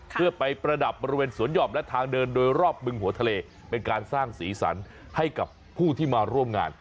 เพื่อไปประดับบริเวณสวนหย่อมและทางเดินโดยรอบบึงหัวทะเลเป็นการสร้างสีสันให้กับผู้ที่มาร่วมงาน